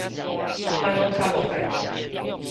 莫講較無代誌